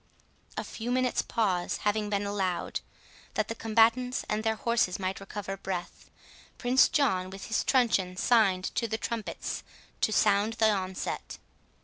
A few minutes pause having been allowed, that the combatants and their horses might recover breath, Prince John with his truncheon signed to the trumpets to sound the onset.